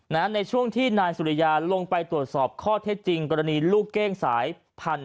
ในช่วงที่นายสุริยาลงไปตรวจสอบข้อเท็จจริงกรณีลูกเก้งสายพันธุ์